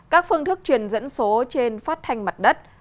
các phương thức truyền dẫn số trên phát thanh mặt đất